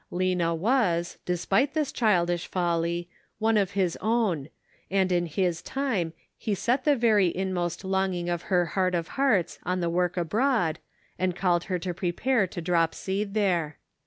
Lena was, despite this childish folly, one of his own, and in his time he set the very in most longings of her heart of hearts on the work abroad, and called her to prepare to drop seed there.